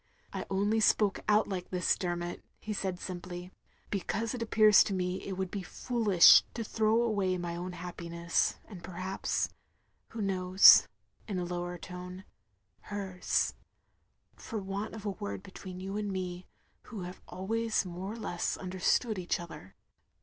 "I only spoke out like this, Dermot, " he said simply, "Becatise it appears to me it wotdd be foolish to throw away my own happiness, and perhaps — who knows — (in a lower tone) hers, for want of a word between you and me, who have always more or less understood each other.